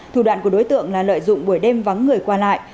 thủ đoạn của đối tượng là lợi dụng buổi đêm vắng người qua lại